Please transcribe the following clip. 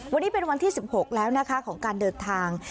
วันนี้เป็นวันที่๑๖แล้วนะคะของการเดินทาง